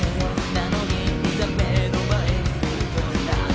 なのにいざ目の前にするとああ！